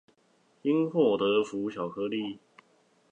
因禍得福巧克力